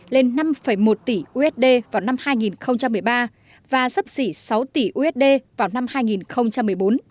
lên năm một tỷ usd vào năm hai nghìn một mươi ba và sắp xỉ sáu tỷ usd vào năm hai nghìn một mươi bốn